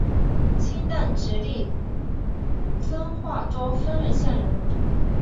清代直隶遵化州丰润县人。